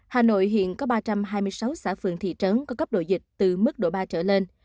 hà nội hiện có ba trăm hai mươi sáu xã phường thị trấn có cấp độ dịch từ mức độ ba trở lên